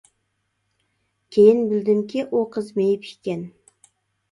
كىيىن بىلدىمكى ئۇ قىز مېيىپ ئىكەن.